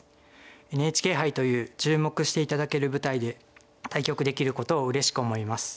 ＮＨＫ杯という注目して頂ける舞台で対局できることをうれしく思います。